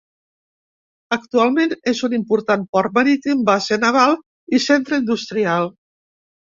Actualment és un important port marítim, base naval i centre industrial.